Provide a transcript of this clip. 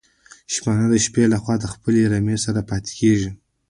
شپانه د شپې لخوا له خپلي رمې سره پاتي کيږي